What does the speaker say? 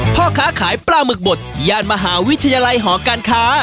พ่อค้าขายปลาหมึกบดย่านมหาวิทยาลัยหอการค้า